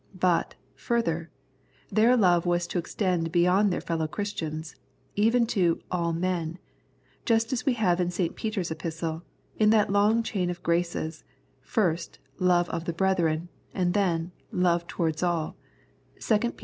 But, further, their love was to extend beyond their fellow Christians — even to " all men," just as we have in St. Peter's Epistle, in that long chain of graces, first, love of the brethren, and then, love towards all (2 Pet.